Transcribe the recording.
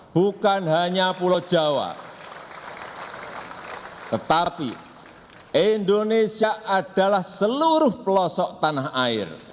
bukan hanya pulau jawa tetapi indonesia adalah seluruh pelosok tanah air